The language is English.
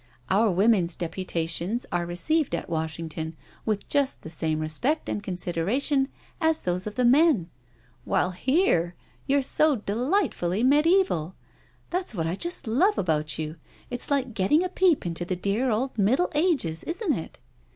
Our Women's deputations are received at Washington with just the same respect and consideration as those of the men— while here you're so delightfully mediaeval — that's what I just love about you — it's like getting a peep into the dear old Middle Ages, isn't it?"